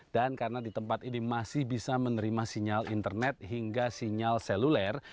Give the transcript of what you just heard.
dan karena di tempat ini masih bisa menerima sinyal internet hingga sinyal seluler